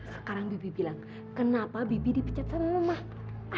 sekarang bibi bilang kenapa bibi dipecat sama